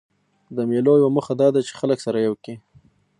د مېلو یوه موخه دا ده، چي خلک سره یو کي.